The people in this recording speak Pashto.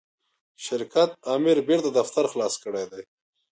شرکت آمر بیرته دفتر خلاص کړی دی.